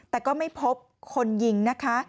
แต่ก็ไม่พบคนยิงนะคะ